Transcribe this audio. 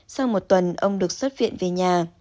sau một tuần ông được xuất viện về nhà